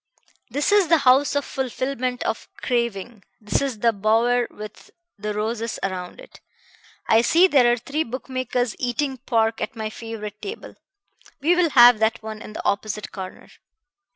"This is the house of fulfilment of craving, this is the bower with the roses around it. I see there are three bookmakers eating pork at my favorite table. We will have that one in the opposite corner."